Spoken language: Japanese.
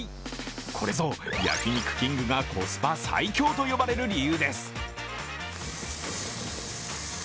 これぞ焼肉きんぐがコスパ最強と呼ばれる理由です。